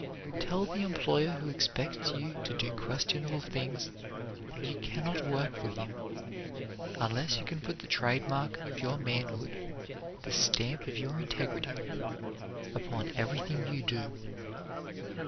Tell the employer who expects you to do questionable things that you can not work for him unless you can put the trade mark of your manhood, the stamp of your integrity, upon everything you do.